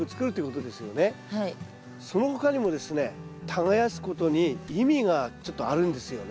その他にもですね耕すことに意味がちょっとあるんですよね。